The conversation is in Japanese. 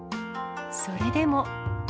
それでも。